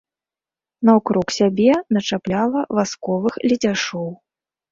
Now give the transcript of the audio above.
Наўкруг сябе начапляла васковых ледзяшоў.